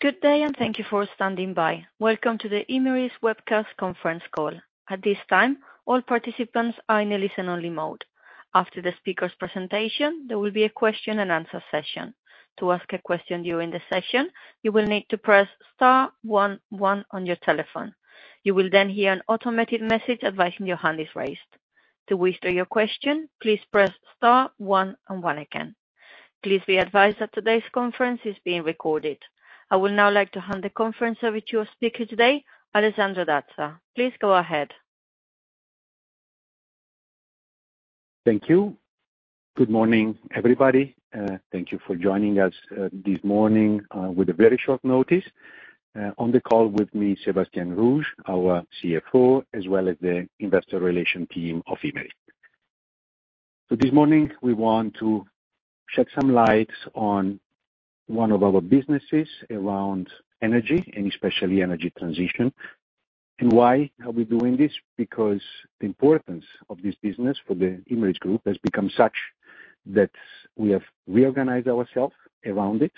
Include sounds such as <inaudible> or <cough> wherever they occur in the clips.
Good day, and thank you for standing by. Welcome to the Imerys Webcast Conference Call. At this time, all participants are in a listen-only mode. After the speaker's presentation, there will be a question and answer session. To ask a question during the session, you will need to press star one one on your telephone. You will then hear an automated message advising your hand is raised. To withdraw your question, please press star one and one again. Please be advised that today's conference is being recorded. I would now like to hand the conference over to your speaker today, Alessandro Dazza. Please go ahead. Thank you. Good morning, everybody, thank you for joining us, this morning, with a very short notice. On the call with me, Sébastien Rouge, our CFO, as well as the investor relation team of Imerys. So this morning, we want to shed some lights on one of our businesses around energy, and especially energy transition. And why are we doing this? Because the importance of this business for the Imerys group has become such that we have reorganized ourselves around it,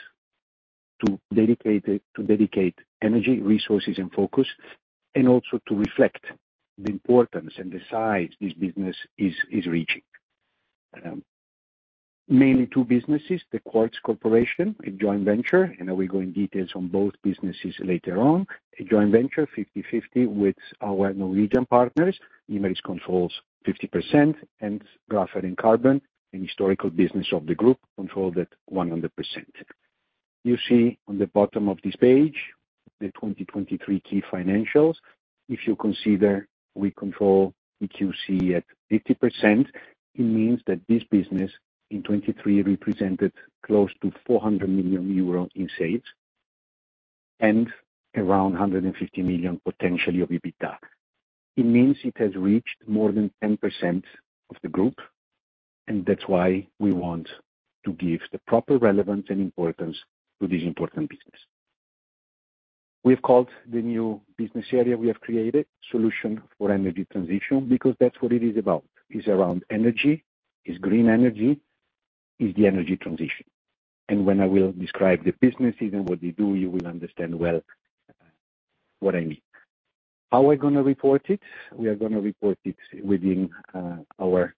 to dedicate energy, resources, and focus, and also to reflect the importance and the size this business is reaching. Mainly two businesses, The Quartz Corporation, a joint venture, and I will go into details on both businesses later on. A joint venture, 50/50, with our Norwegian partners. Imerys controls 50%, and Graphite & Carbon, a historical business of the group, controlled at 100%. You see on the bottom of this page, the 2023 key financials. If you consider we control TQC at 50%, it means that this business in 2023 represented close to 400 million euro in sales, and around 150 million potentially of EBITDA. It means it has reached more than 10% of the group, and that's why we want to give the proper relevance and importance to this important business. We've called the new business area we have created, Solutions for Energy Transition, because that's what it is about. It's around energy, it's green energy, it's the energy transition. When I will describe the businesses and what they do, you will understand well, what I mean. How we're gonna report it? We are gonna report it within our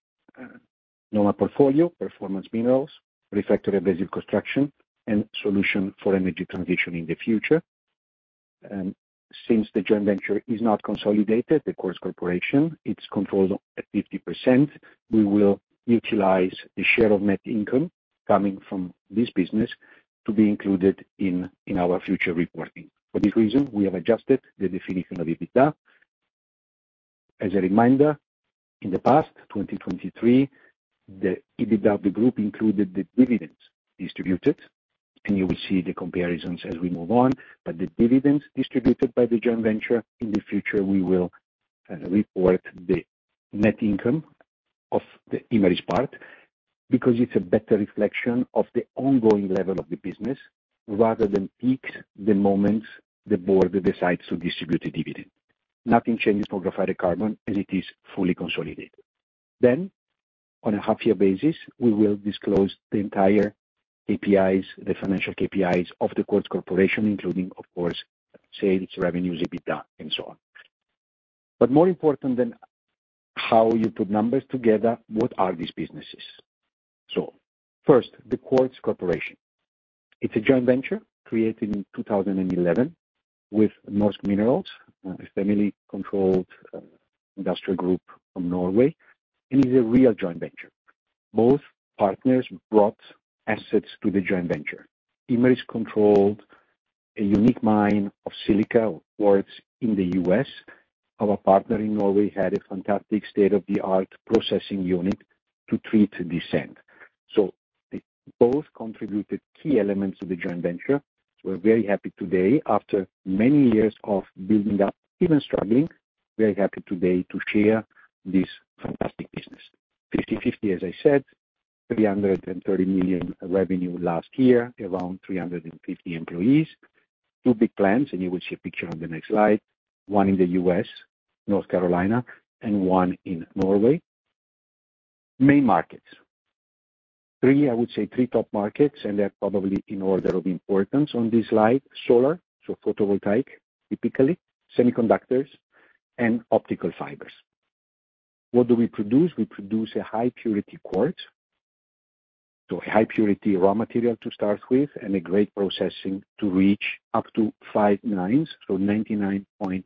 normal portfolio, Performance Minerals, Refractory, Basic Construction, and Solutions for Energy Transition in the future. Since the joint venture is not consolidated, The Quartz Corporation, it's controlled at 50%, we will utilize the share of net income coming from this business to be included in our future reporting. For this reason, we have adjusted the definition of EBITDA. As a reminder, in the past 2023, the EBITDA of the group included the dividends distributed, and you will see the comparisons as we move on. But the dividends distributed by the joint venture, in the future we will report the net income of the Imerys part, because it's a better reflection of the ongoing level of the business, rather than peak the moments the board decides to distribute the dividend. Nothing changes for Graphite Carbon, and it is fully consolidated. Then, on a half-year basis, we will disclose the entire KPIs, the financial KPIs of the Quartz Corporation, including, of course, sales, revenues, EBITDA, and so on. But more important than how you put numbers together, what are these businesses? So first, the Quartz Corporation. It's a joint venture created in 2011 with Norsk Mineral, a family-controlled industrial group from Norway, and is a real joint venture. Both partners brought assets to the joint venture. Imerys controlled a unique mine of silica, or quartz, in the U.S. Our partner in Norway had a fantastic state-of-the-art processing unit to treat this sand. So they both contributed key elements to the joint venture. We're very happy today, after many years of building up, even struggling, very happy today to share this fantastic business. 50/50, as I said, 330 million revenue last year, around 350 employees, 2 big plants, and you will see a picture on the next slide, 1 in the US, North Carolina, and 1 in Norway. Main markets. Three, I would say three top markets, and they're probably in order of importance on this slide: solar, so photovoltaic, typically, semiconductors, and optical fibers. What do we produce? We produce a high purity quartz, so a high purity raw material to start with, and a great processing to reach up to five nines, so 99.999%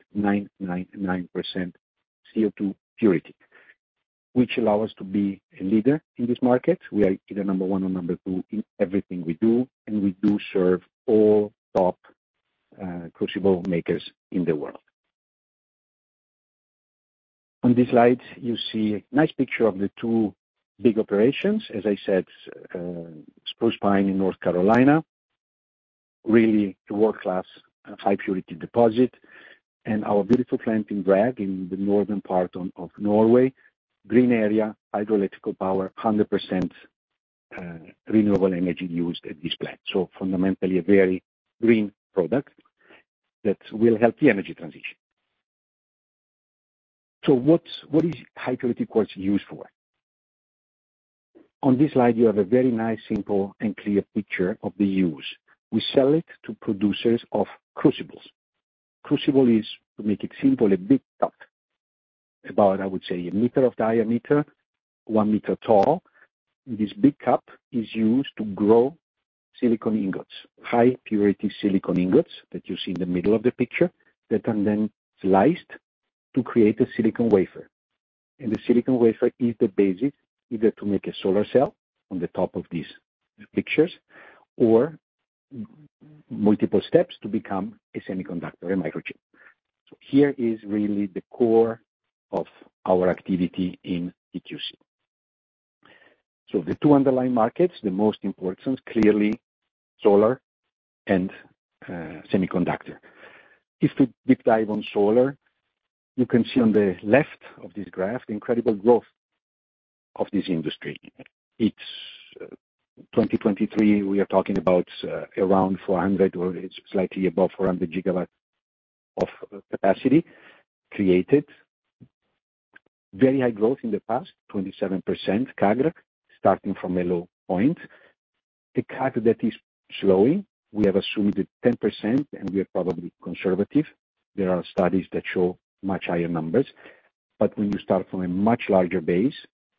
SiO2 purity, which allow us to be a leader in this market. We are either number one or number two in everything we do, and we do serve all top crucible makers in the world. On this slide, you see a nice picture of the two big operations. As I said, Spruce Pine in North Carolina, really a world-class high purity deposit, and our beautiful plant in Drag, in the northern part of Norway. Green area, hydroelectric power, 100% renewable energy used at this plant. So fundamentally, a very green product that will help the energy transition. So what is high purity quartz used for? On this slide, you have a very nice, simple, and clear picture of the use. We sell it to producers of crucibles. Crucible is, to make it simple, a big cup, about, I would say, a meter of diameter, one meter tall. This big cup is used to grow silicon ingots, high purity silicon ingots, that you see in the middle of the picture, that are then sliced to create a silicon wafer. And the silicon wafer is the basic, either to make a solar cell on the top of these pictures, or multiple steps to become a semiconductor, a microchip. So here is really the core of our activity in QTC. So the two underlying markets, the most important, clearly, solar and, semiconductor. If we deep dive on solar, you can see on the left of this graph, the incredible growth of this industry. It's 2023, we are talking about around 400, or it's slightly above 400 gigawatts of capacity created. Very high growth in the past, 27% CAGR, starting from a low point. The CAGR, that is slowing, we have assumed it 10%, and we are probably conservative. There are studies that show much higher numbers. But when you start from a much larger base,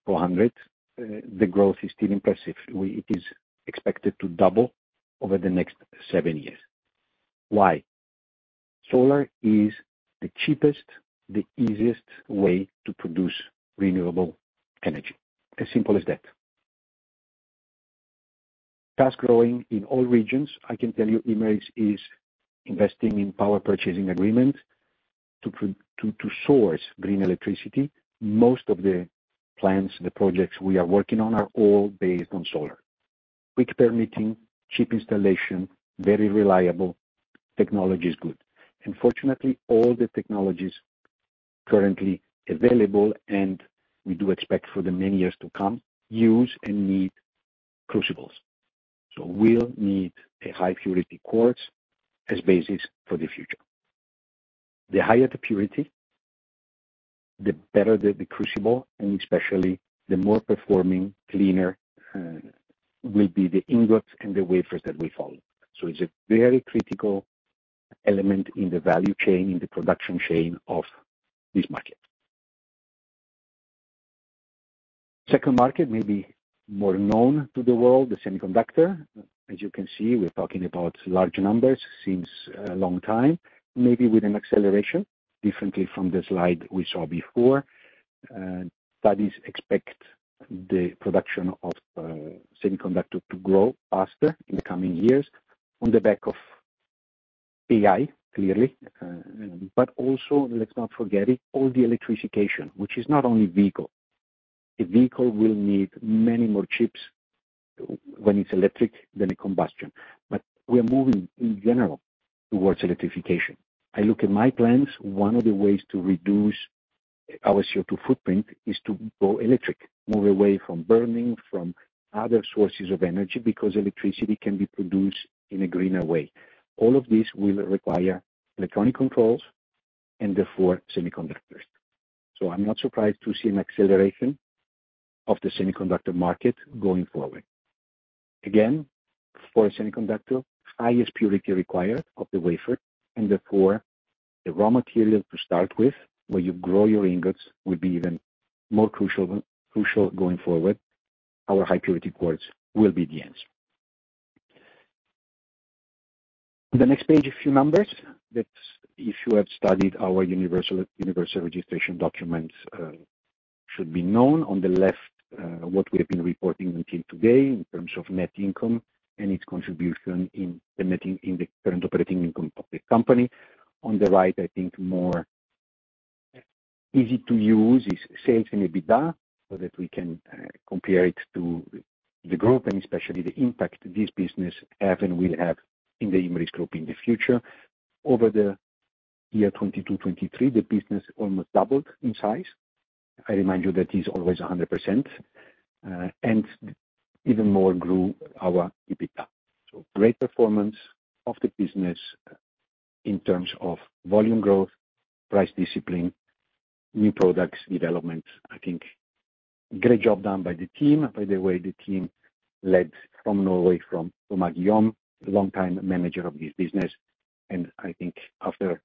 400, the growth is still impressive. It is expected to double over the next seven years. Why? Solar is the cheapest, the easiest way to produce renewable energy, as simple as that. Fast growing in all regions, I can tell you, Imerys is investing in power purchasing agreement to source green electricity. Most of the plants, the projects we are working on, are all based on solar. Quick permitting, cheap installation, very reliable, technology is good. And fortunately, all the technologies currently available, and we do expect for the many years to come, use and need crucibles. So we'll need a high purity quartz as basis for the future. The higher the purity, the better the crucible, and especially the more performing, cleaner, will be the ingots and the wafers that will follow. So it's a very critical element in the value chain, in the production chain of this market. Second market, may be more known to the world, the semiconductor. As you can see, we're talking about large numbers since a long time, maybe with an acceleration, differently from the slide we saw before. Studies expect the production of semiconductor to grow faster in the coming years on the back of AI, clearly, but also, let's not forget it, all the electrification, which is not only vehicle. A vehicle will need many more chips when it's electric than a combustion. But we are moving, in general, towards electrification. I look at my plans, one of the ways to reduce our CO2 footprint is to go electric, move away from burning, from other sources of energy, because electricity can be produced in a greener way. All of this will require electronic controls and, therefore, semiconductors. So I'm not surprised to see an acceleration of the semiconductor market going forward. Again, for a semiconductor, highest purity required of the wafer, and therefore, the raw material to start with, where you grow your ingots, will be even more crucial going forward. Our high purity quartz will be the answer. The next page, a few numbers, that if you have studied our Universal Registration Document should be known. On the left, what we have been reporting until today in terms of net income and its contribution in the current operating income of the company. On the right, I think more easy to use is sales and EBITDA, so that we can compare it to the group, and especially the impact this business have and will have in the Imerys group in the future. Over the year 2022-2023, the business almost doubled in size. I remind you that is always 100%, and even more grew our EBITDA. So great performance of the business in terms of volume growth, price discipline, new products development. I think, great job done by the team. By the way, the team led from Norway, from Guillaume, long-time manager of this business. And I think after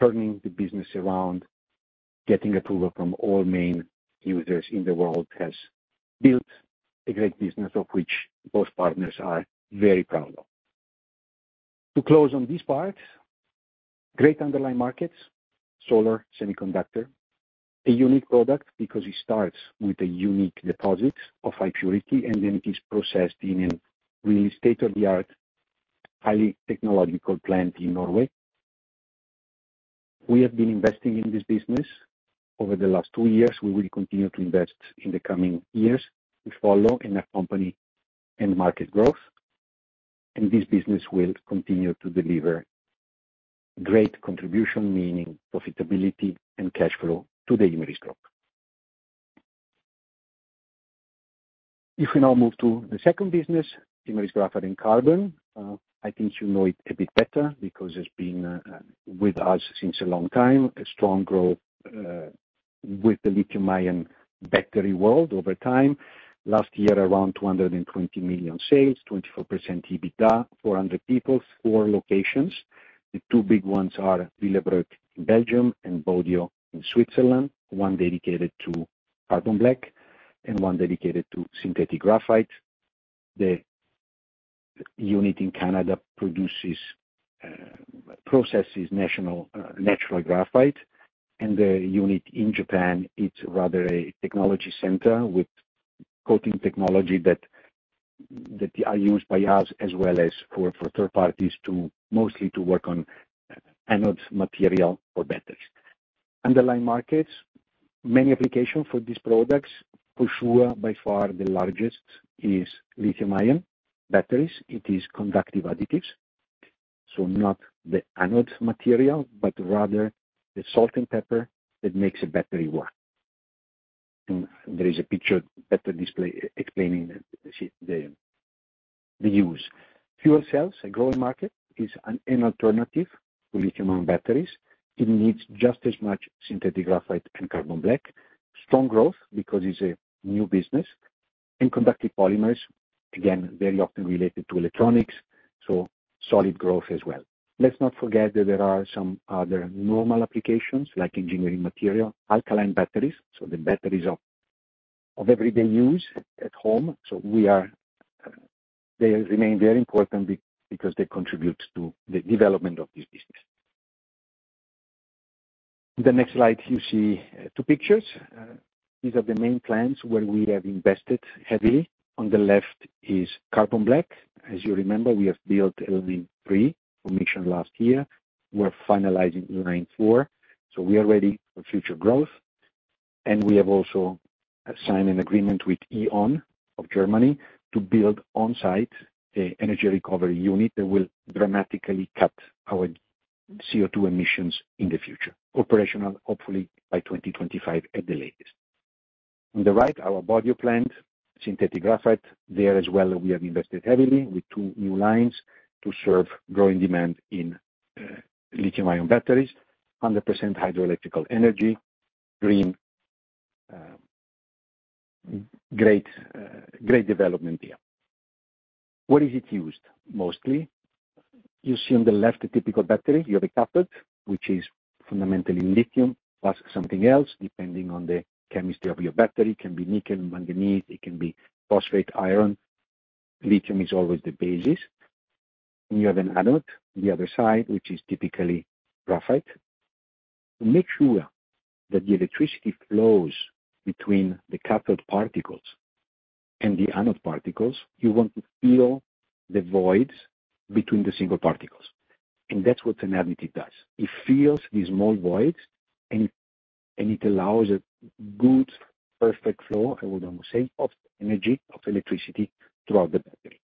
turning the business around, getting approval from all main users in the world, has built a great business, of which both partners are very proud of. To close on this part, great underlying markets, solar, semiconductor. A unique product, because it starts with a unique deposits of high purity, and then it is processed in a really state-of-the-art, highly technological plant in Norway. We have been investing in this business over the last two years. We will continue to invest in the coming years. We follow in our company and market growth, and this business will continue to deliver great contribution, meaning profitability and cash flow to the Imerys Group. If we now move to the second business, it is graphite and carbon. I think you know it a bit better because it's been with us since a long time. A strong growth with the lithium ion battery world over time. Last year, around 220 million sales, 24% EBITDA, 400 people, four locations. The two big ones are Willebroek, Belgium, and Bodio in Switzerland. One dedicated to carbon black and one dedicated to synthetic graphite. The unit in Canada produces, processes natural graphite, and the unit in Japan, it's rather a technology center with coating technology that are used by us as well as for third parties to mostly work on anode material for batteries. Underlying markets, many applications for these products. For sure, by far the largest is lithium ion batteries. It is conductive additives, so not the anode material, but rather the salt and pepper that makes a battery work. There is a picture better display explaining the use. Fuel cells, a growing market, is an alternative to lithium-ion batteries. It needs just as much synthetic graphite and carbon black. Strong growth because it's a new business. Conductive polymers, again, very often related to electronics, so solid growth as well. Let's not forget that there are some other normal applications, like engineering material, alkaline batteries, so the batteries of everyday use at home. So we are. They remain very important because they contribute to the development of this business. The next slide, you see two pictures. These are the main plants where we have invested heavily. On the left is carbon black. As you remember, we have built line 3 commissioned last year. We're finalizing line 4, so we are ready for future growth. And we have also signed an agreement with E.ON of Germany to build on-site an energy recovery unit that will dramatically cut our CO2 emissions in the future. Operational, hopefully by 2025, at the latest. On the right, our Bodio plant, synthetic graphite. There as well, we have invested heavily with two new lines to serve growing demand in lithium-ion batteries, 100% hydroelectric energy, green, great development there. Where is it used mostly? You see on the left a typical battery. You have a cathode, which is fundamentally lithium plus something else, depending on the chemistry of your battery. It can be nickel, manganese, it can be phosphate, iron. Lithium is always the basis. You have an anode on the other side, which is typically graphite. To make sure that the electricity flows between the cathode particles and the anode particles, you want to fill the voids between the single particles, and that's what an additive does. It fills these small voids, and it allows a good, perfect flow, I would almost say, of energy, of electricity throughout the battery.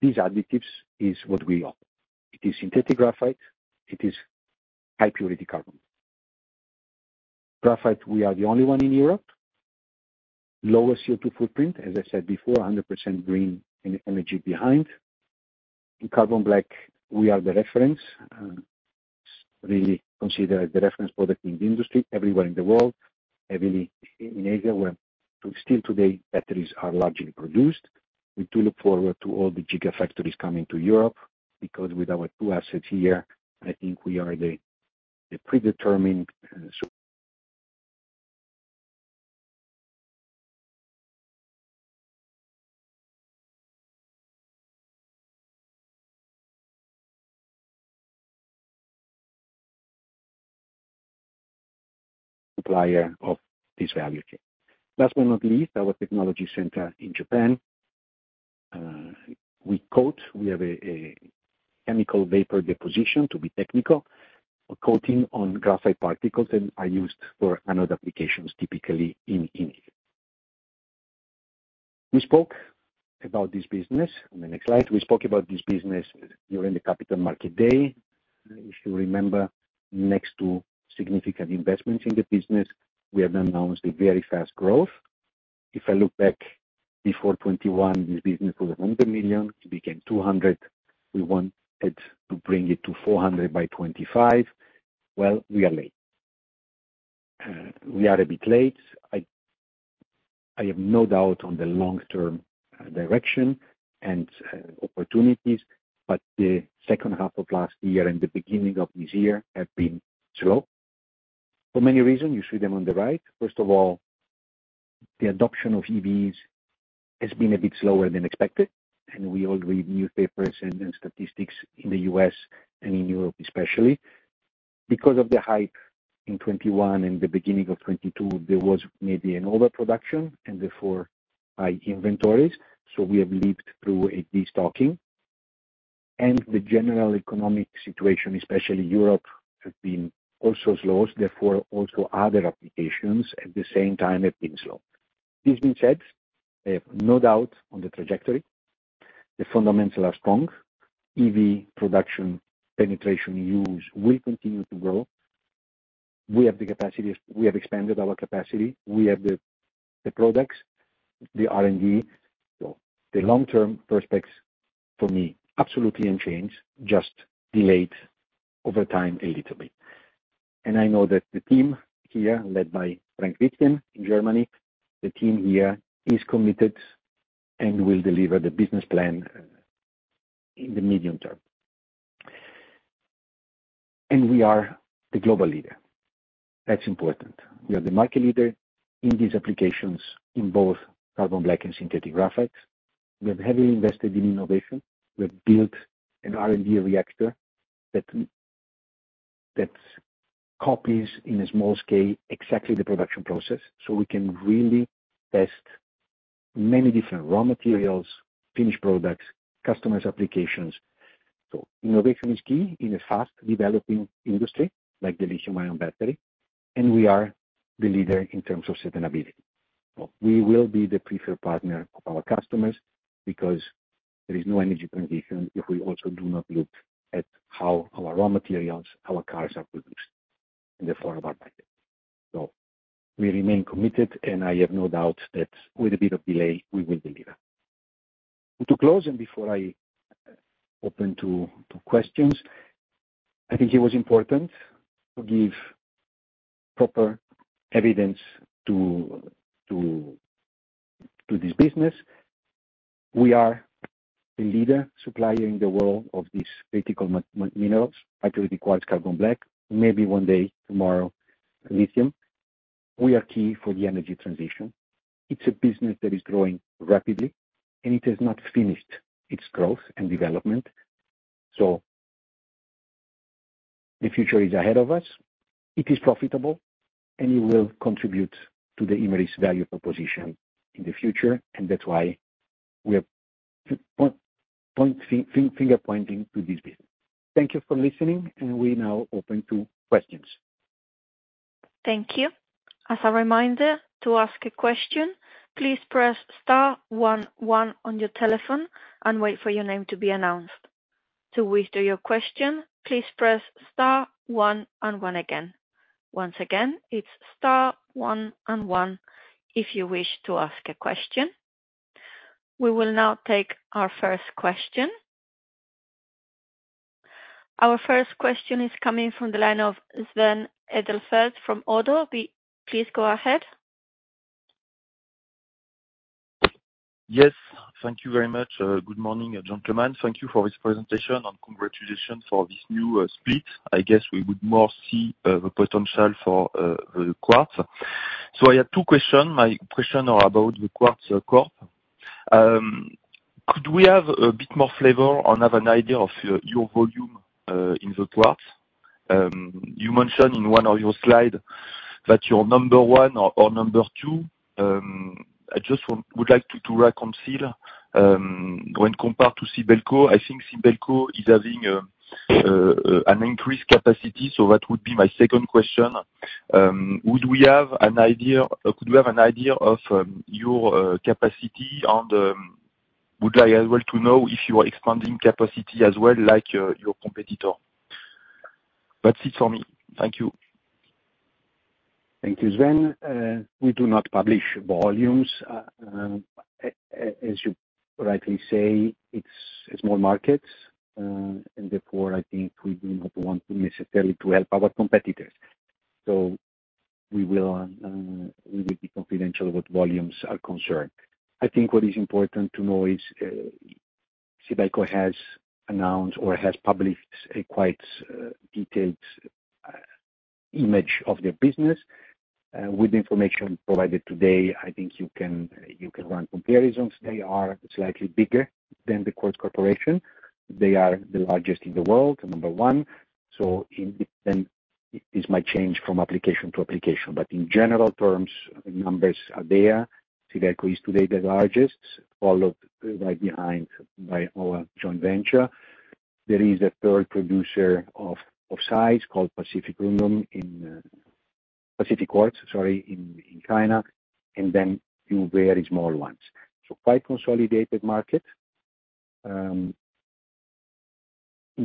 These additives is what we offer. It is synthetic graphite. It is high purity carbon. Graphite, we are the only one in Europe. Lower CO2 footprint, as I said before, 100% green in energy behind. In carbon black, we are the reference, really considered the reference product in the industry everywhere in the world, heavily in Asia, where to still today, batteries are largely produced. We do look forward to all the gigafactories coming to Europe, because with our two assets here, I think we are the predetermined supplier of this value chain. Last but not least, our technology center in Japan. We coat, we have a chemical vapor deposition, to be technical, a coating on graphite particles and are used for anode applications, typically in, in. We spoke about this business. On the next slide, we spoke about this business during the Capital Market Day. If you remember, next to significant investments in the business, we have announced a very fast growth. If I look back, before 2021, this business was 100 million, it became 200 million. We wanted to bring it to 400 million by 2025. Well, we are late. We are a bit late. I have no doubt on the long-term direction and opportunities, but the second half of last year and the beginning of this year have been slow. For many reasons, you see them on the right. First of all, the adoption of EVs has been a bit slower than expected, and we all read newspapers and statistics in the U.S. and in Europe, especially. Because of the hype in 2021 and the beginning of 2022, there was maybe an overproduction and therefore, high inventories, so we have lived through a destocking. The general economic situation, especially Europe, has been also slow; therefore, also other applications at the same time have been slow. This being said, I have no doubt on the trajectory. The fundamentals are strong. EV production, penetration use will continue to grow... We have the capacity; we have expanded our capacity; we have the products, the R&D. The long-term prospects for me, absolutely unchanged, just delayed over time a little bit. I know that the team here, led by Frank Wittchen in Germany, the team here is committed and will deliver the business plan in the medium term. We are the global leader. That's important. We are the market leader in these applications in both carbon black and synthetic graphite. We have heavily invested in innovation. We have built an R&D reactor that copies, in a small scale, exactly the production process, so we can really test many different raw materials, finished products, customers' applications. So innovation is key in a fast developing industry like the lithium-ion battery, and we are the leader in terms of sustainability. We will be the preferred partner of our customers because there is no energy transition if we also do not look at how our raw materials, how our cars are produced in the form of our. <inaudible> So we remain committed, and I have no doubt that with a bit of delay, we will deliver. To close, and before I open to questions, I think it was important to give proper evidence to this business. We are the leader supplier in the world of these critical minerals, high-purity quartz, carbon black, maybe one day tomorrow, lithium. We are key for the energy transition. It's a business that is growing rapidly, and it has not finished its growth and development. The future is ahead of us. It is profitable, and it will contribute to the Imerys value proposition in the future, and that's why we are finger-pointing to this business. Thank you for listening, and we now open to questions. Thank you. As a reminder, to ask a question, please press star one, one on your telephone and wait for your name to be announced. To withdraw your question, please press star one and one again. Once again, it's star one and one, if you wish to ask a question. We will now take our first question. Our first question is coming from the line of Sven Edelfelt from ODDO. Please go ahead. Yes, thank you very much. Good morning, gentlemen. Thank you for this presentation, and congratulations for this new split. I guess we would more see the potential for the quartz. So I have two questions. My question are about the Quartz Corp. Could we have a bit more flavor on, have an idea of your your volume in the quartz? You mentioned in one of your slides that you're number one or or number two. I just want- would like to to reconcile when compared to Sibelco. I think Sibelco is having an increased capacity, so that would be my second question. Would we have an idea- could we have an idea of your capacity, and would I as well to know if you are expanding capacity as well, like your your competitor? That's it for me. Thank you. Thank you, Sven. We do not publish volumes. As you rightly say, it's a small market, and therefore, I think we do not want to necessarily to help our competitors. So we will, we will be confidential with volumes are concerned. I think what is important to know is, Sibelco has announced or has published a quite, detailed, image of their business, with the information provided today, I think you can, you can run comparisons. They are slightly bigger than The Quartz Corporation. They are the largest in the world, the number one, so in the end, this might change from application to application. But in general terms, the numbers are there. Sibelco is today the largest, followed right behind by our joint venture. There is a third producer of, of size called Pacific Union in... Pacific Quartz, sorry, in China, and then few very small ones. So quite consolidated market. In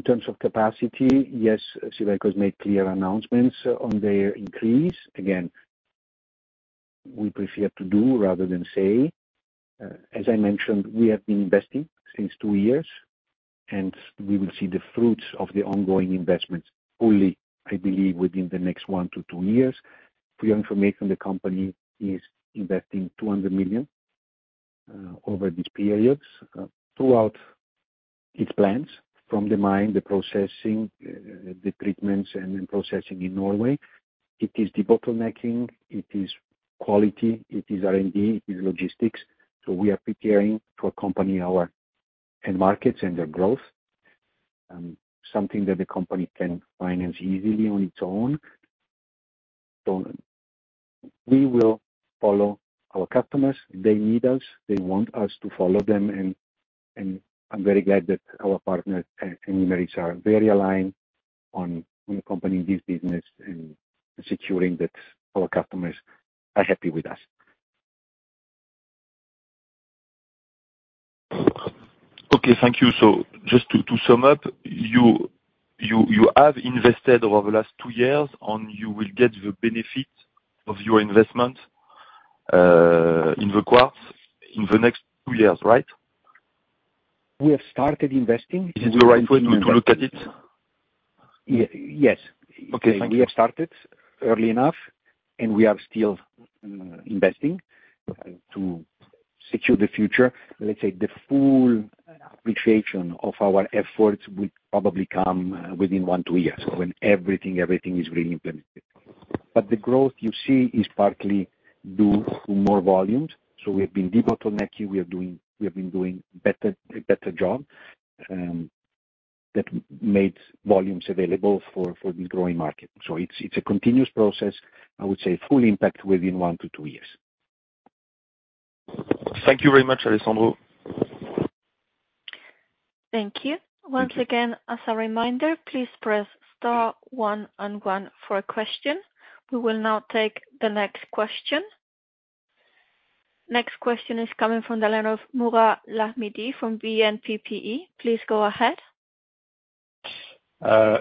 terms of capacity, yes, Sibelco has made clear announcements on their increase. Again, we prefer to do rather than say. As I mentioned, we have been investing since 2 years, and we will see the fruits of the ongoing investments fully, I believe, within the next 1-2 years. For your information, the company is investing 200 million over these periods throughout its plans from the mine, the processing, the treatments, and then processing in Norway. It is the bottlenecking, it is quality, it is R&D, it is logistics. So we are preparing to accompany our end markets and their growth, something that the company can finance easily on its own. So we will follow our customers. They need us, they want us to follow them, and I'm very glad that our partners at Imerys are very aligned on accompanying this business and securing that our customers are happy with us.... Okay, thank you. So just to sum up, you have invested over the last two years, and you will get the benefit of your investment in the quartz in the next two years, right? We have started investing- Is it the right way to look at it? Ye- yes. Okay, thank you. We have started early enough, and we are still investing to secure the future. Let's say the full appreciation of our efforts will probably come within one, two years, when everything is really implemented. But the growth you see is partly due to more volumes, so we have been debottlenecking. We have been doing better, a better job that made volumes available for the growing market. So it's a continuous process. I would say full impact within one to two years. Thank you very much, Alessandro. Thank you. Once again, as a reminder, please press star one and one for a question. We will now take the next question. Next question is coming from the line of Mourad Lahmidi from BNPPE. Please go ahead.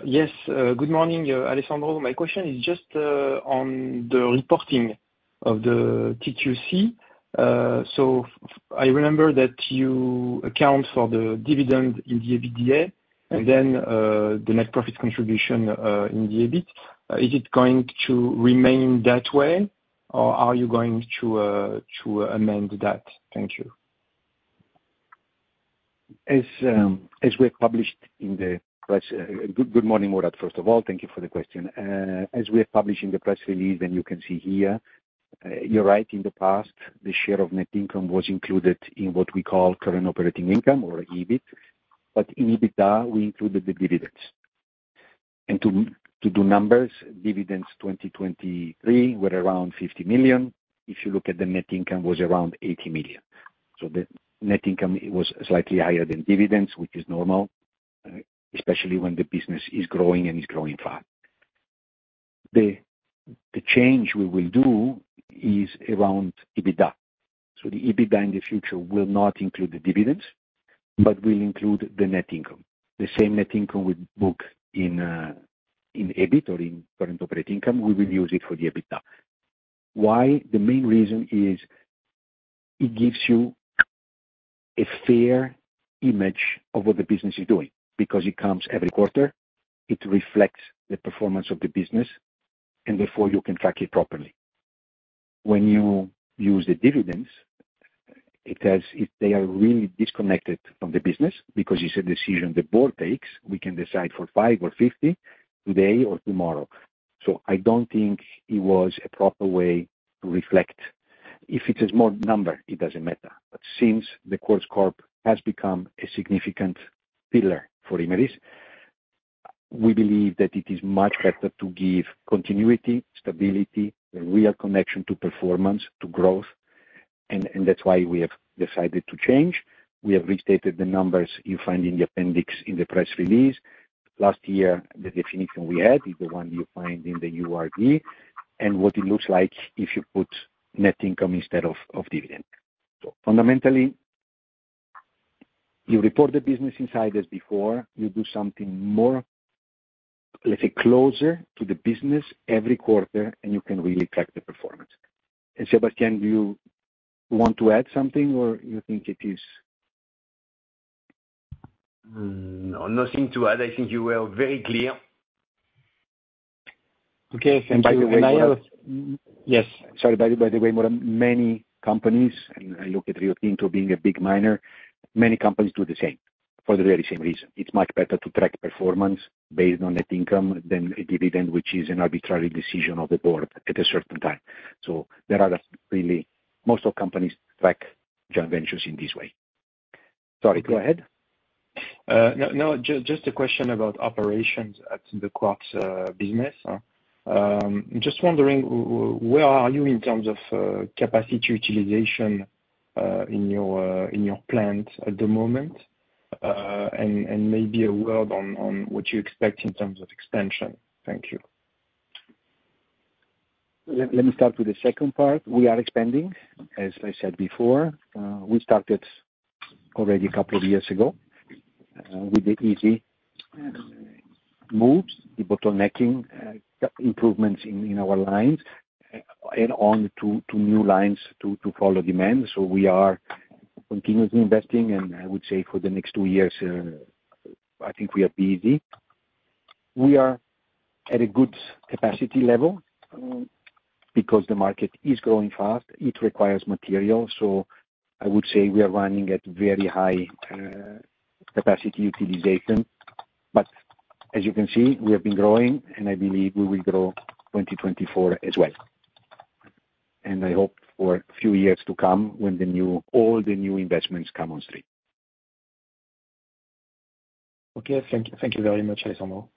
Yes, good morning, Alessandro. My question is just on the reporting of the TQC. So I remember that you account for the dividend in the EBITDA, and then the net profit contribution in the EBIT. Is it going to remain that way, or are you going to to amend that? Thank you. As we have published in the press... Good morning, Mourad, first of all, thank you for the question. As we have published in the press release, and you can see here, you're right, in the joint venture in the past, the share of net income was included in what we call current operating income or EBIT. But in EBITDA, we included the dividends. To do numbers, dividends 2023 were around 50 million. If you look at the net income, was around 80 million. So the net income was slightly higher than dividends, which is normal, especially when the business is growing and is growing fast. The change we will do is around EBITDA. The EBITDA in the future will not include the dividends, but will include the net income. The same net income we book in in EBIT or in current operating income, we will use it for the EBITDA. Why? The main reason is it gives you a fair image of what the business is doing, because it comes every quarter, it reflects the performance of the business, and therefore you can track it properly. When you use the dividends, they are really disconnected from the business because it's a decision the board takes. We can decide for 5 or 50, today or tomorrow. So I don't think it was a proper way to reflect. If it's a small number, it doesn't matter. But since the Quartz Corp has become a significant pillar for Imerys, we believe that it is much better to give continuity, stability, a real connection to performance, to growth, and that's why we have decided to change. We have restated the numbers you find in the appendix in the press release. Last year, the definition we had is the one you find in the URD, and what it looks like if you put net income instead of, of dividend. So fundamentally, you report the business inside as before, you do something more, let's say, closer to the business every quarter, and you can really track the performance. And Sébastien, do you want to add something, or you think it is? No, nothing to add. I think you were very clear. Okay, thank you. By the way- Yes. Sorry, by the way, Mourad, many companies, and I look at Rio Tinto being a big miner, many companies do the same for the very same reason. It's much better to track performance based on net income than a dividend, which is an arbitrary decision of the board at a certain time. So there are really, most of companies track joint ventures in this way. Sorry, go ahead. No, no, just a question about operations at the quartz business. Just wondering where you are in terms of capacity utilization in your plant at the moment? And maybe a word on what you expect in terms of expansion. Thank you. Let me start with the second part. We are expanding. As I said before, we started already a couple of years ago with the easy moves, the bottlenecking improvements in our lines, and onto new lines to follow demand. So we are continuously investing, and I would say for the next two years, I think we are busy. We are at a good capacity level, because the market is growing fast, it requires material. So I would say we are running at very high capacity utilization. But as you can see, we have been growing, and I believe we will grow 2024 as well. And I hope for a few years to come, when all the new investments come on stream. Okay, thank you. Thank you very much, Alessandro.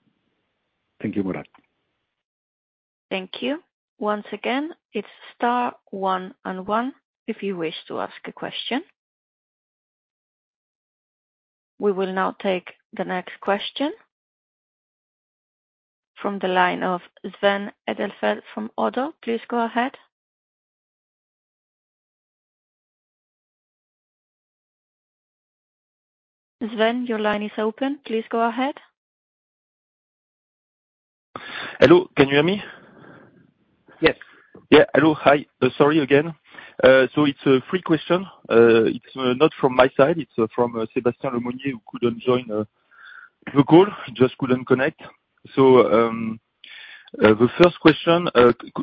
Thank you, Mourad. Thank you. Once again, it's star one and one if you wish to ask a question. We will now take the next question. From the line of Sven Edelfelt from ODDO. Please go ahead. Sven, your line is open. Please go ahead. Hello, can you hear me? Yes. Yeah, hello. Hi. Sorry again. So it's three questions. It's not from my side, it's from Sebastien Ramondiac, who couldn't join the call, just couldn't connect. So, the first question,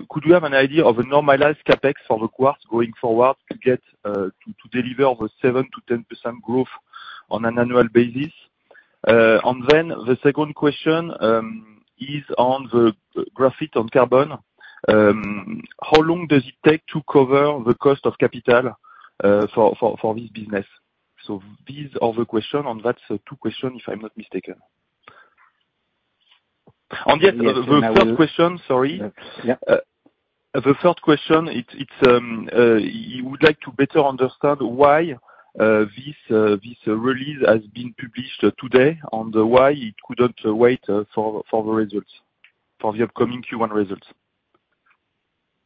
could you have an idea of a normalized CapEx for the quartz going forward to get to deliver the 7%-10% growth on an annual basis? And then the second question is on the graphite and carbon. How long does it take to cover the cost of capital for this business? So these are the questions, and that's two questions, if I'm not mistaken. And yes, the third question, sorry. Yeah. The third question, it's, he would like to better understand why this release has been published today, and why it couldn't wait for the upcoming Q1 results.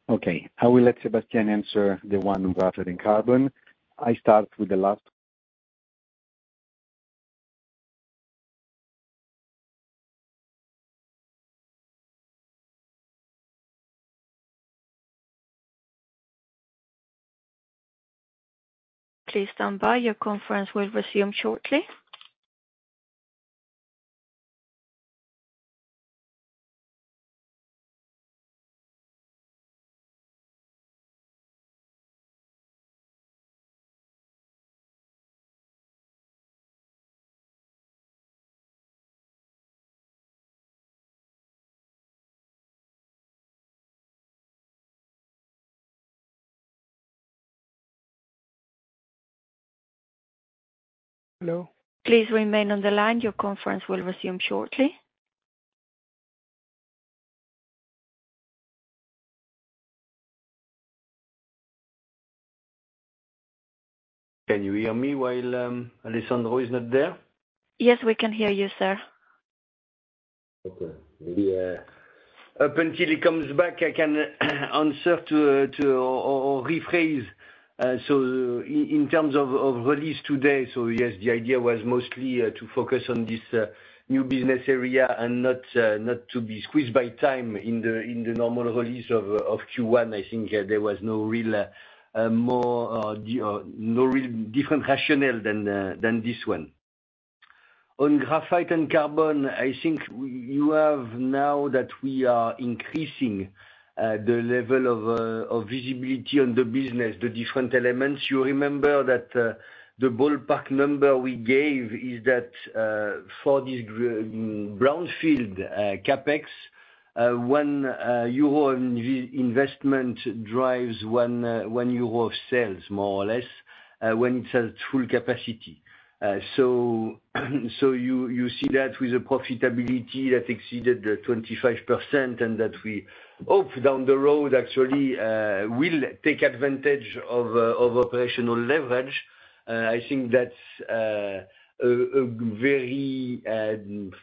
Okay, I will let Sébastien answer the one, graphite and carbon. I start with the last- Please stand by. Your conference will resume shortly. Hello? Please remain on the line. Your conference will resume shortly. Can you hear me while Alessandro is not there? Yes, we can hear you, sir. Okay. Yeah, up until he comes back, I can answer or rephrase. So in terms of release today, so yes, the idea was mostly to focus on this new business area and not to be squeezed by time in the normal release of Q1. I think there was no real different rationale than this one. On graphite and carbon, I think you have now that we are increasing the level of visibility on the business, the different elements. You remember that the ballpark number we gave is that for this brownfield CapEx, 1 euro in investment drives 1 euro of sales, more or less, when it's at full capacity. So you see that with the profitability that exceeded 25%, and that we hope down the road actually will take advantage of operational leverage. I think that's a very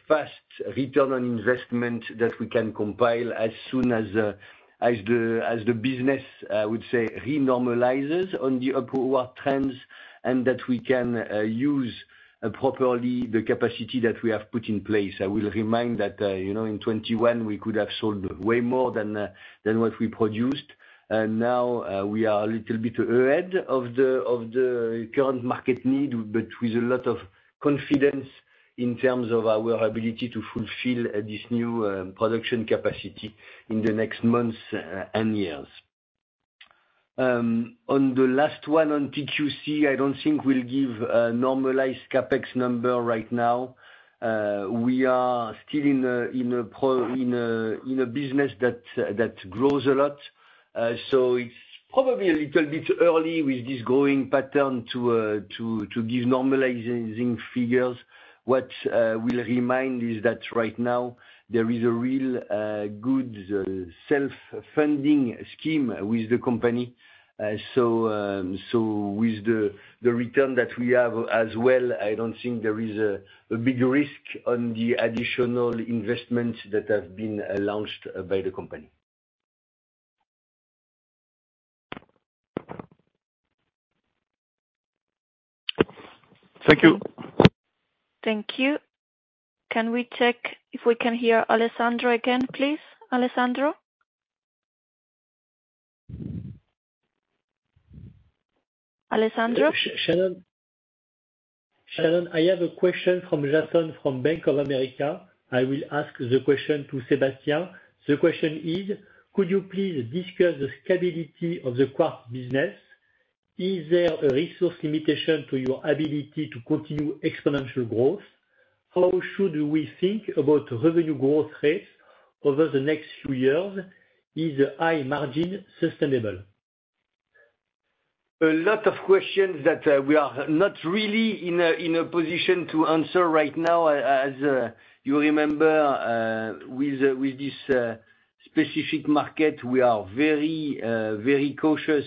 fast return on investment that we can compile as soon as the business, I would say, normalizes on the upward trends, and that we can use properly the capacity that we have put in place. I will remind that, you know, in 2021, we could have sold way more than what we produced. And now, we are a little bit ahead of the current market need, but with a lot of confidence in terms of our ability to fulfill this new production capacity in the next months and years. On the last one, on TQC, I don't think we'll give a normalized CapEx number right now. We are still in a business that grows a lot. So it's probably a little bit early with this growing pattern to give normalizing figures. What we'll remind is that right now there is a real good self-funding scheme with the company. So with the return that we have as well, I don't think there is a big risk on the additional investments that have been launched by the company. Thank you. Thank you. Can we check if we can hear Alessandro again, please? Alessandro? Alessandro? Shannon, Shannon, I have a question from Jason, from Bank of America. I will ask the question to Sébastien. The question is: Could you please discuss the scalability of the quartz business? Is there a resource limitation to your ability to continue exponential growth? How should we think about revenue growth rates over the next few years? Is high margin sustainable? A lot of questions that we are not really in a position to answer right now. As you remember, with this specific market, we are very very cautious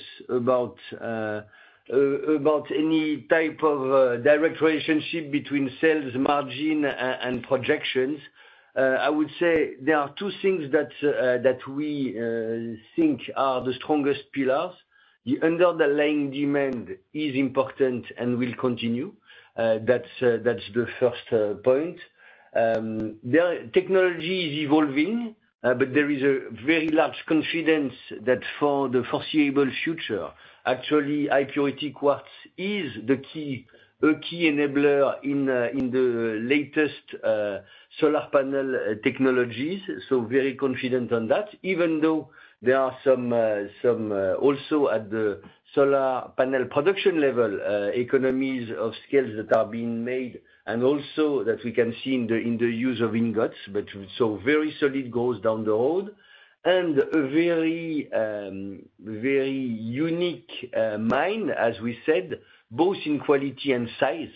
about any type of direct relationship between sales, margin, and projections. I would say there are two things that we think are the strongest pillars. The underlying demand is important and will continue. That's the first point. The technology is evolving, but there is a very large confidence that for the foreseeable future, actually, high purity quartz is the key, a key enabler in the latest solar panel technologies. So very confident on that, even though there are some also at the solar panel production level economies of scale that are being made, and also that we can see in the use of ingots, but so very solid goes down the road. And a very unique mine, as we said, both in quality and size.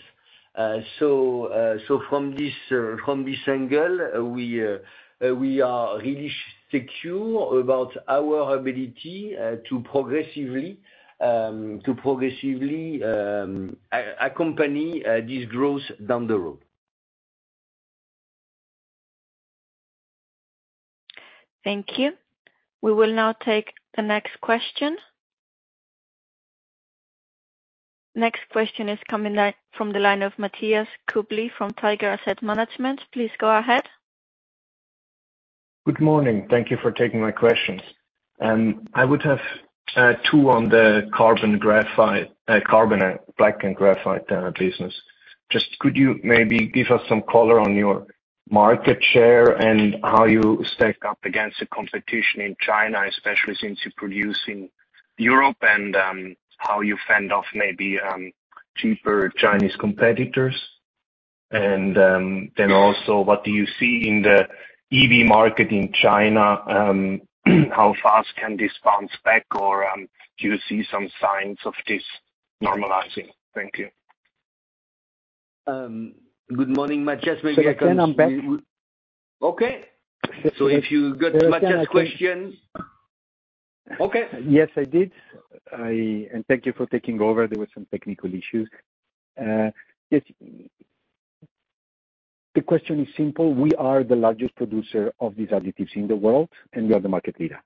So from this angle, we are really secure about our ability to progressively accompany this growth down the road. Thank you. We will now take the next question. Next question is coming from the line of Matthias Kubli from Tiger Asset Management. Please go ahead. Good morning. Thank you for taking my questions. I would have two on the carbon graphite, carbon black and graphite, business. Just could you maybe give us some color on your market share and how you stack up against the competition in China, especially since you produce in Europe, and, how you fend off maybe, cheaper Chinese competitors? And, then also, what do you see in the EV market in China, how fast can this bounce back, or, do you see some signs of this normalizing? Thank you. Good morning, Matthias. Maybe I can- Sir, I think I'm back. Okay. So if you got Matthias' questions... Okay. Yes, I did. And thank you for taking over. There were some technical issues. Yes. The question is simple. We are the largest producer of these additives in the world, and we are the market leader.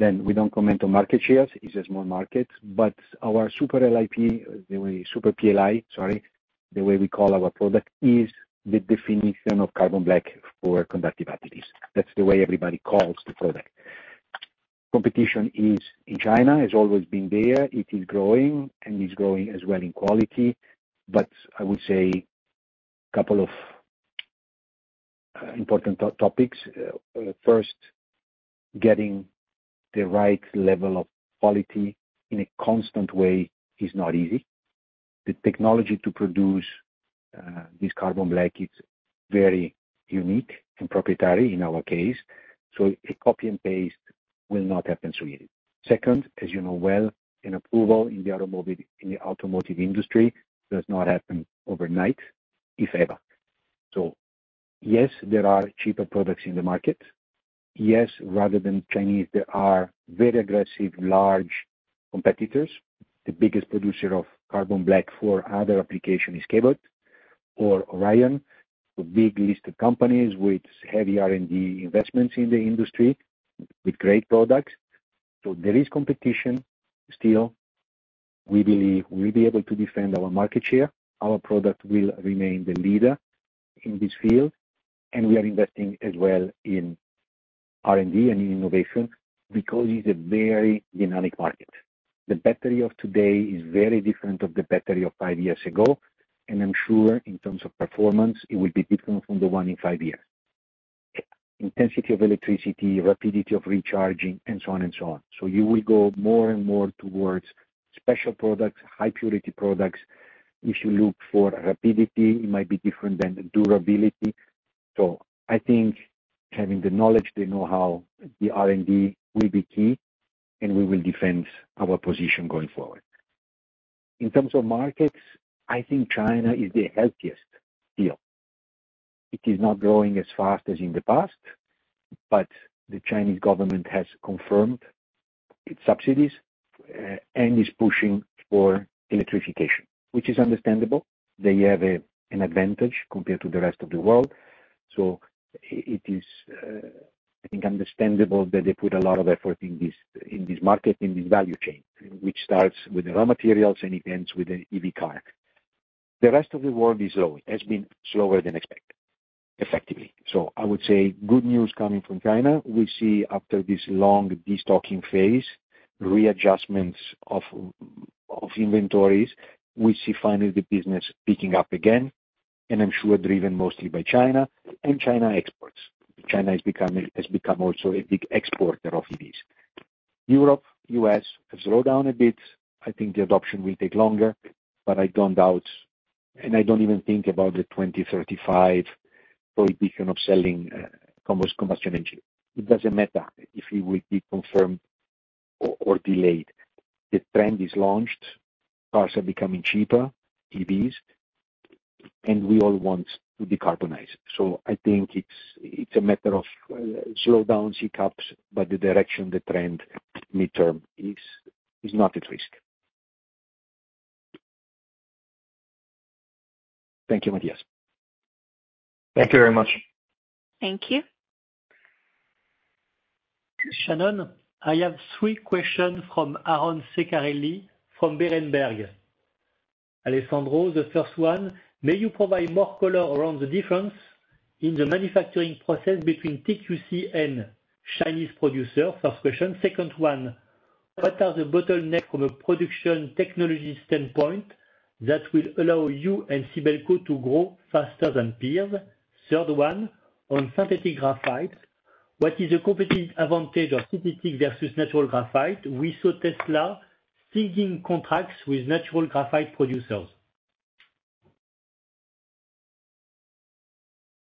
Then we don't comment on market shares, it's a small market, but our SUPER P Li, the SUPER P Li, sorry, the way we call our product, is the definition of carbon black for conductive additives. That's the way everybody calls the product. Competition is in China, has always been there, it is growing, and is growing as well in quality. But I would say a couple of important topics. First, getting the right level of quality in a constant way is not easy. The technology to produce this carbon black is very unique and proprietary in our case, so a copy and paste will not happen so easy. Second, as you know well, an approval in the automobile, in the automotive industry does not happen overnight, if ever. So yes, there are cheaper products in the market. Yes, rather than Chinese, there are very aggressive, large competitors. The biggest producer of carbon black for other application is Cabot or Orion, so big listed companies with heavy R&D investments in the industry with great products. So there is competition. Still, we believe we'll be able to defend our market share. Our product will remain the leader in this field, and we are investing as well in R&D and innovation because it's a very dynamic market. The battery of today is very different of the battery of five years ago, and I'm sure in terms of performance, it will be different from the one in five years. Intensity of electricity, rapidity of recharging, and so on and so on. So you will go more and more towards special products, high purity products. If you look for rapidity, it might be different than durability. So I think having the knowledge to know how the R&D will be key, and we will defend our position going forward. In terms of markets, I think China is the healthiest still. It is not growing as fast as in the past, but the Chinese government has confirmed its subsidies, and is pushing for electrification, which is understandable. They have an advantage compared to the rest of the world. So it is, I think, understandable that they put a lot of effort in this, in this market, in this value chain, which starts with the raw materials, and it ends with the EV car. The rest of the world is slow, has been slower than expected, effectively. So I would say good news coming from China. We see after this long destocking phase, readjustments of, of inventories, we see finally the business picking up again, and I'm sure driven mostly by China and China exports. China is becoming, has become also a big exporter of EVs. Europe, U.S., has slowed down a bit. I think the adoption will take longer, but I don't doubt, and I don't even think about the 2035 prohibition of selling, combustion, combustion engine. It doesn't matter if it will be confirmed or, or delayed. The trend is launched, cars are becoming cheaper, EVs.... and we all want to decarbonize. So I think it's, it's a matter of, slowdown, hiccups, but the direction, the trend, midterm is, is not at risk. Thank you, Matthias. Thank you very much. Thank you. Shannon, I have three questions from Aron Ceccarelli, from Berenberg. Alessandro, the first one: may you provide more color around the difference in the manufacturing process between TQC and Chinese producer? First question. Second one: what are the bottleneck from a production technology standpoint that will allow you and Sibelco to grow faster than peers? Third one, on synthetic graphite, what is the competitive advantage of synthetic versus natural graphite? We saw Tesla seeking contracts with natural graphite producers.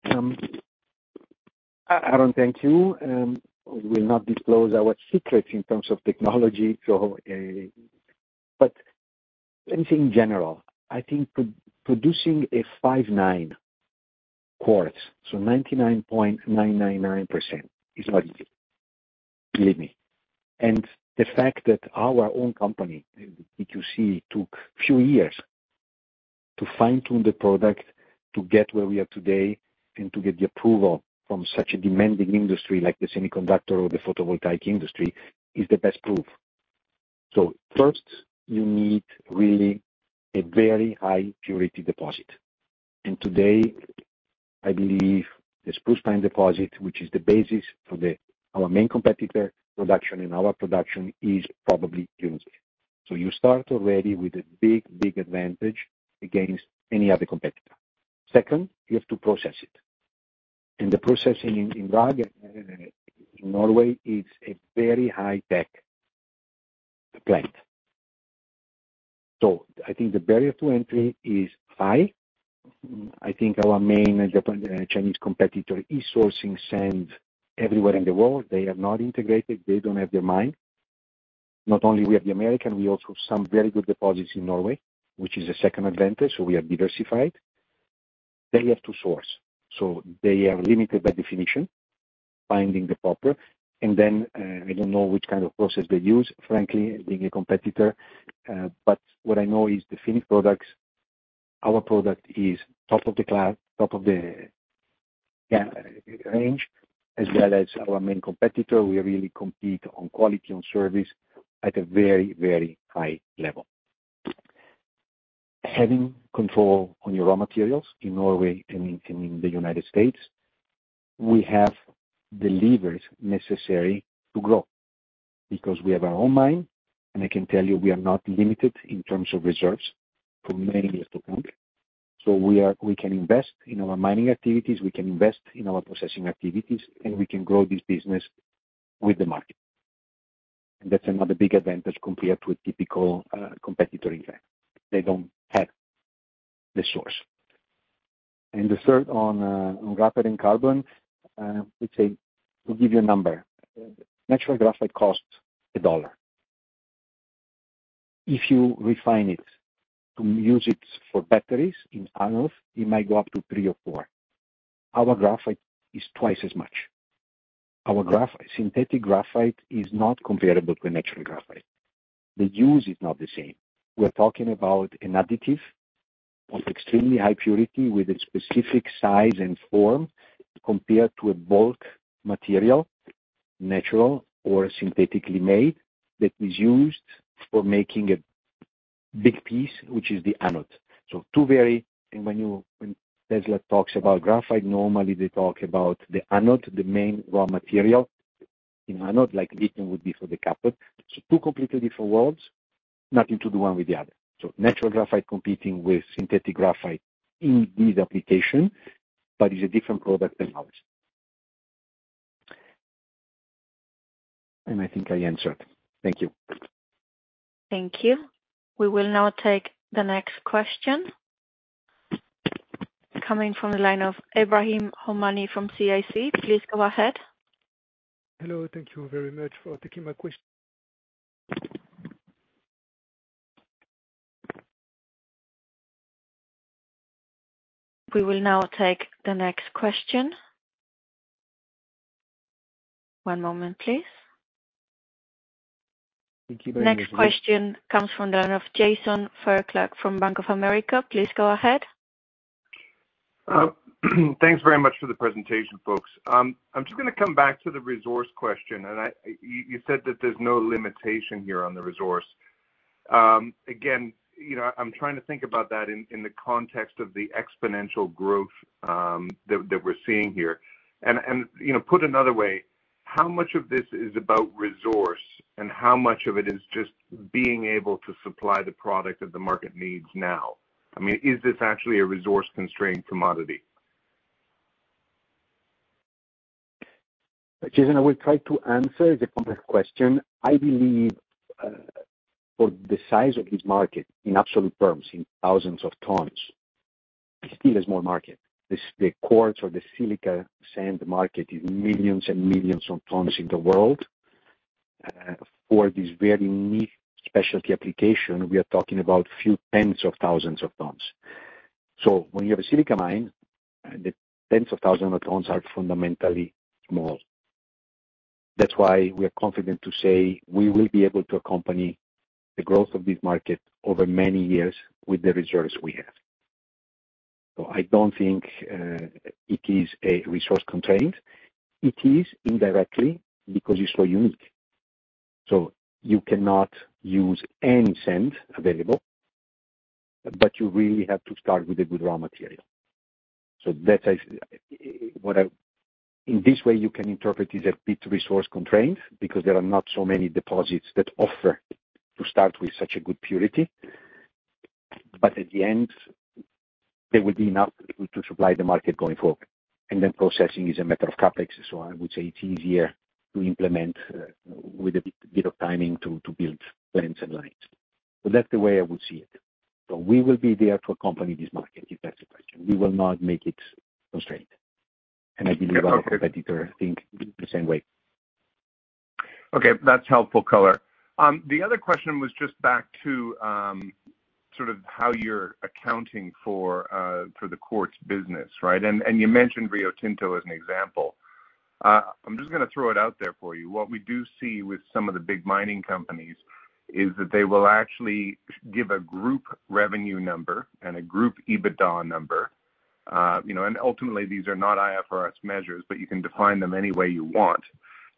Aaron, thank you. We will not disclose our secrets in terms of technology, but anything in general, I think producing a five-nines quartz, so 99.999% is not easy, believe me. And the fact that our own company, TQC, took few years to fine-tune the product to get where we are today, and to get the approval from such a demanding industry like the semiconductor or the photovoltaic industry, is the best proof. So first, you need really a very high purity deposit. And today, I believe the Spruce Pine deposit, which is the basis for the our main competitor production and our production, is probably unique. So you start already with a big, big advantage against any other competitor. Second, you have to process it. And the processing in Drag, Norway, is a very high-tech plant. So I think the barrier to entry is high. I think our main Japanese, Chinese competitor is sourcing sand everywhere in the world. They are not integrated, they don't have their mine. Not only we have the American, we also some very good deposits in Norway, which is a second advantage, so we are diversified. They have to source, so they are limited by definition, finding the proper, and then, I don't know which kind of process they use, frankly, being a competitor, but what I know is the finished products, our product is top of the class, top of the, yeah, range, as well as our main competitor. We really compete on quality, on service, at a very, very high level. Having control on your raw materials in Norway and in the United States, we have the levers necessary to grow, because we have our own mine, and I can tell you, we are not limited in terms of reserves for many years to come. So we can invest in our mining activities, we can invest in our processing activities, and we can grow this business with the market. And that's another big advantage compared to a typical competitor, in fact. They don't have the source. And the third on graphite and carbon, let's say, to give you a number, natural graphite costs $1. If you refine it, to use it for batteries in anodes, it might go up to $3 or $4. Our graphite is twice as much. Our graphite, synthetic graphite is not comparable to natural graphite. The use is not the same. We're talking about an additive of extremely high purity with a specific size and form, compared to a bulk material, natural or synthetically made, that is used for making a big piece, which is the anode. So, when Tesla talks about graphite, normally they talk about the anode, the main raw material. In anode, like lithium would be for the cathode. So two completely different worlds, nothing to do one with the other. So natural graphite competing with synthetic graphite in this application, but it's a different product than ours. I think I answered. Thank you. Thank you. We will now take the next question. It's coming from the line of Ebrahim Homani from CIC. Please go ahead. Hello, thank you very much for taking my ques- We will now take the next question. One moment, please. Thank you very much. Next question comes from the line of Jason Fairclough from Bank of America. Please go ahead. Thanks very much for the presentation, folks. I'm just gonna come back to the resource question, and you, you said that there's no limitation here on the resource. Again, you know, I'm trying to think about that in, in the context of the exponential growth, that, that we're seeing here. And, you know, put another way, how much of this is about resource, and how much of it is just being able to supply the product that the market needs now? I mean, is this actually a resource-constrained commodity? Jason, I will try to answer the complex question. I believe, for the size of this market, in absolute terms, in thousands of tons, still there's more market. The, the quartz or the silica sand market is millions and millions of tons in the world. For this very niche specialty application, we are talking about few tens of thousands of tons. So when you have a silica mine, the tens of thousands of tons are fundamentally small. That's why we are confident to say we will be able to accompany the growth of this market over many years with the reserves we have. So I don't think, it is a resource constraint. It is indirectly because it's so unique, so you cannot use any sand available, but you really have to start with a good raw material. In this way, you can interpret it a bit resource constraint, because there are not so many deposits that offer to start with such a good purity. But at the end, there will be enough to supply the market going forward, and then processing is a matter of CapEx. So I would say it's easier to implement with a bit of timing to build plants and lines. So that's the way I would see it. So we will be there to accompany this market, if that's the question. We will not make it constraint, and I believe our competitor think the same way. Okay, that's helpful color. The other question was just back to sort of how you're accounting for for the quartz business, right? And, and you mentioned Rio Tinto as an example. I'm just gonna throw it out there for you. What we do see with some of the big mining companies, is that they will actually give a group revenue number and a group EBITDA number. You know, and ultimately, these are not IFRS measures, but you can define them any way you want.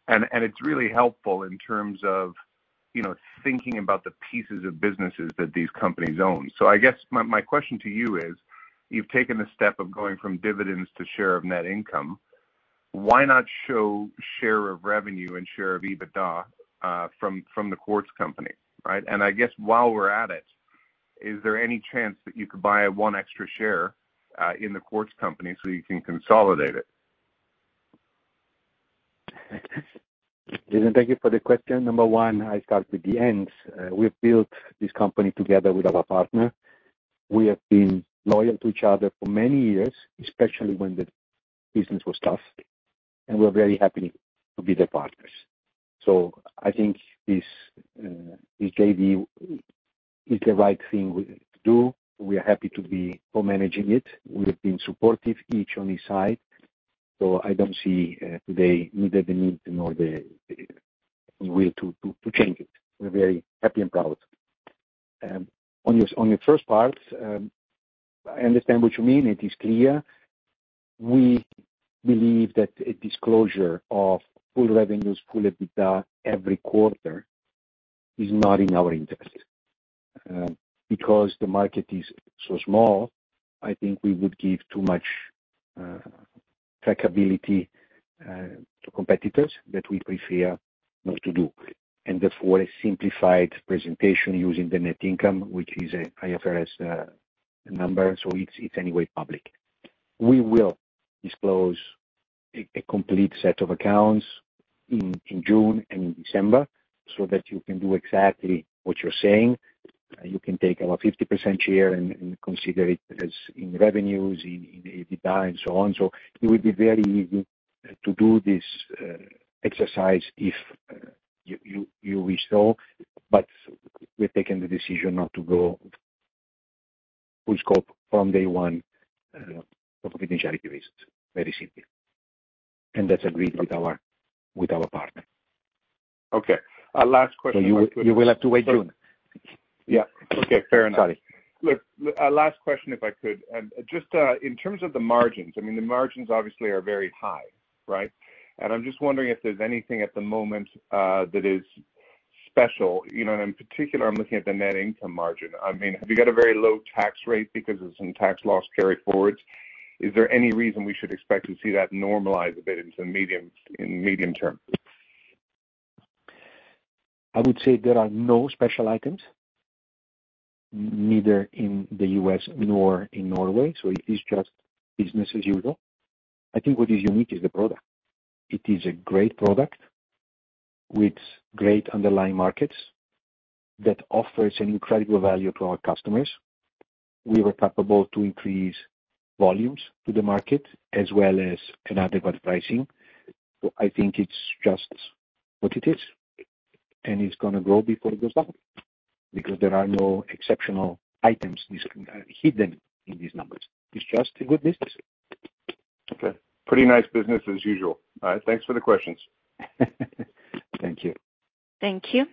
And, and it's really helpful in terms of, you know, thinking about the pieces of businesses that these companies own. So I guess my, my question to you is, you've taken the step of going from dividends to share of net income. Why not show share of revenue and share of EBITDA from from the quartz company, right? I guess while we're at it, is there any chance that you could buy 1 extra share in the Quartz Company, so you can consolidate it? Jason, thank you for the question. Number one, I start with the ends. We have built this company together with our partner. We have been loyal to each other for many years, especially when the business was tough, and we're very happy to be their partners. So I think this, this JD is the right thing to do. We are happy to be co-managing it. We have been supportive, each on each side, so I don't see, today, neither the need nor the, the will to, to, to change it. We're very happy and proud. On your, on your first part, I understand what you mean. It is clear. We believe that a disclosure of full revenues, full EBITDA every quarter is not in our interest. Because the market is so small, I think we would give too much trackability to competitors that we prefer not to do, and therefore, a simplified presentation using the net income, which is a IFRS number, so it's anyway public. We will disclose a complete set of accounts in June and in December, so that you can do exactly what you're saying. You can take our 50% share and consider it as in revenues, in EBITDA, and so on. So it will be very easy to do this exercise if you wish so, but we've taken the decision not to go full scope from day one for confidentiality reasons, very simple. And that's agreed with our partner. Okay, last question- You, you will have to wait till June. Yeah. Okay, fair enough. Sorry. Look, last question, if I could. Just, in terms of the margins, I mean, the margins obviously are very high, right? I'm just wondering if there's anything at the moment that is special. You know, and in particular, I'm looking at the net income margin. I mean, have you got a very low tax rate because of some tax loss carry-forwards? Is there any reason we should expect to see that normalize a bit into the medium term? I would say there are no special items, neither in the U.S. nor in Norway, so it is just business as usual. I think what is unique is the product. It is a great product with great underlying markets that offers an incredible value to our customers. We were capable to increase volumes to the market as well as inadequate pricing. So I think it's just what it is, and it's gonna grow before it goes down, because there are no exceptional items hidden in these numbers. It's just a good business. Okay, pretty nice business as usual. All right, thanks for the questions. Thank you. Thank you.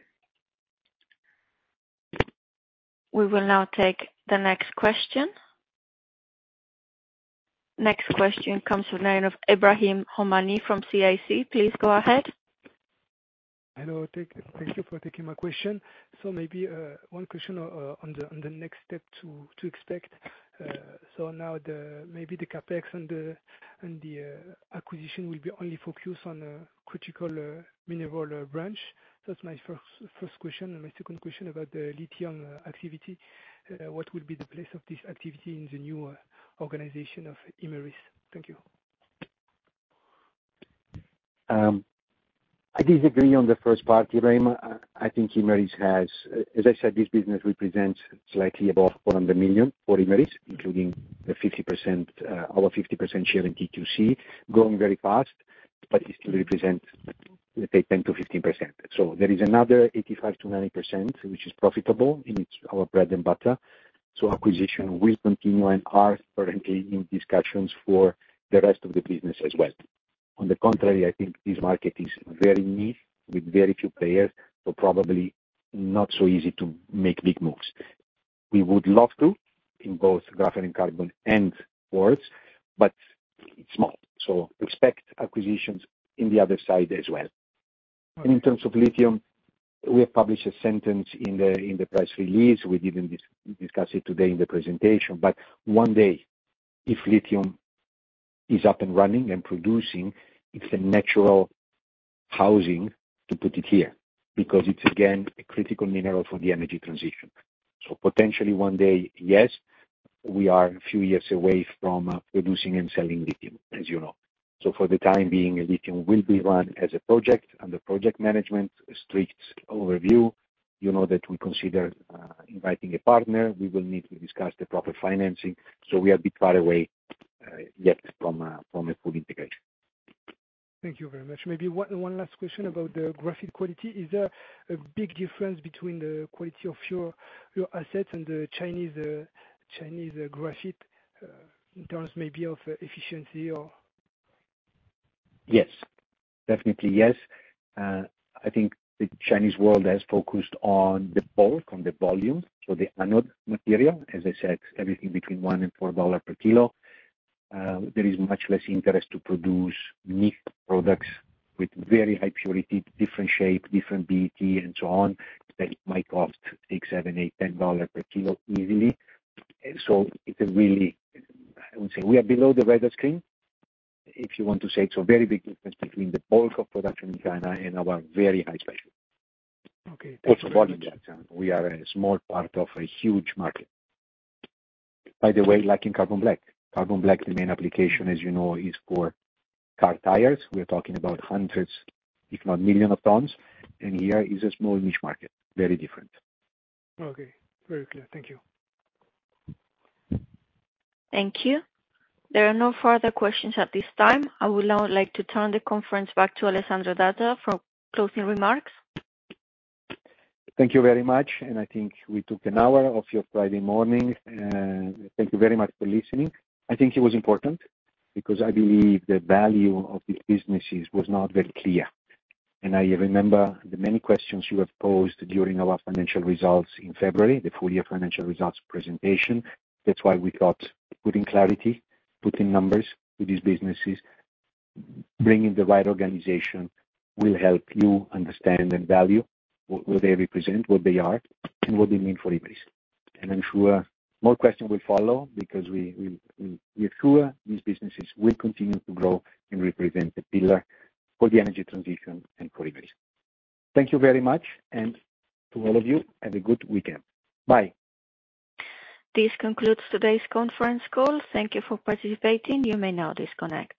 We will now take the next question. Next question comes from the line of Ebrahim Homani from CIC. Please go ahead. Hello, thank you for taking my question. So maybe one question on the next step to expect. So now maybe the CapEx and the acquisition will be only focused on critical mineral branch. That's my first question. And my second question about the lithium activity. What will be the place of this activity in the new organization of Imerys? Thank you. I disagree on the first part, Ebrahim. I think Imerys has, as I said, this business represents slightly above 100 million for Imerys, including the 50%, our 50% share in TQC, growing very fast, but it still represents, let's say, 10%-15%. So there is another 85%-90%, which is profitable, and it's our bread and butter. So acquisition will continue, and are currently in discussions for the rest of the business as well. On the contrary, I think this market is very niche, with very few players, so probably not so easy to make big moves. We would love to, in both Graphite & Carbon and quartz, but it's small. So expect acquisitions in the other side as well. In terms of lithium, we have published a sentence in the press release. We didn't discuss it today in the presentation, but one day, if lithium is up and running and producing, it's a natural housing to put it here, because it's, again, a critical mineral for the energy transition. So potentially one day, yes, we are a few years away from producing and selling lithium, as you know. So for the time being, lithium will be run as a project, under project management, strict overview. You know that we consider inviting a partner. We will need to discuss the proper financing, so we are a bit far away yet from a full integration. Thank you very much. Maybe one last question about the graphite quality. Is there a big difference between the quality of your assets and the Chinese graphite in terms maybe of efficiency or? Yes. Definitely, yes. I think the Chinese world has focused on the bulk, on the volume, so the anode material, as I said, everything between $1 and $4 per kilo. There is much less interest to produce niche products with very high purity, different shape, different BET, and so on, that it might cost $6, $7, $8, $10 per kilo easily. So it's a really, I would say we are below the radar screen, if you want to say. So very big difference between the bulk of production in China and our very high specialty. Okay, thank you. We are a small part of a huge market. By the way, like in carbon black. Carbon black, the main application, as you know, is for car tires. We're talking about hundreds, if not millions, of tons, and here is a small niche market, very different. Okay. Very clear. Thank you. Thank you. There are no further questions at this time. I would now like to turn the conference back to Alessandro Dazza for closing remarks. Thank you very much, and I think we took an hour of your Friday morning, and thank you very much for listening. I think it was important, because I believe the value of these businesses was not very clear. I remember the many questions you have posed during our financial results in February, the full year financial results presentation. That's why we thought putting clarity, putting numbers to these businesses, bringing the right organization, will help you understand and value what they represent, what they are, and what they mean for Imerys. And I'm sure more questions will follow, because we are sure these businesses will continue to grow and represent the pillar for the energy transition and for Imerys. Thank you very much, and to all of you, have a good weekend. Bye. This concludes today's conference call. Thank you for participating. You may now disconnect.